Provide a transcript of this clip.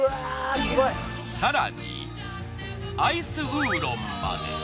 更にアイスウーロンまで。